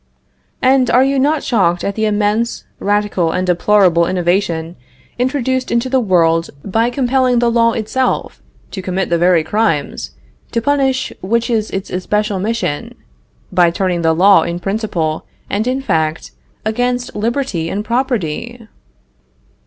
And are you not shocked at the immense, radical, and deplorable innovation introduced into the world by compelling the law itself to commit the very crimes to punish which is its especial mission by turning the law in principle and in fact against liberty and property?